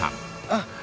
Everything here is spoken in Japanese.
あっ！